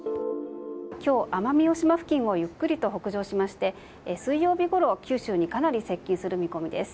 今日、奄美大島付近をゆっくりと北上しまして水曜ごろ、九州にかなり接近する見込みです。